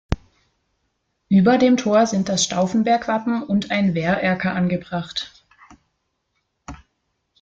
Über dem Tor sind das Stauffenberg-Wappen und ein Wehrerker angebracht.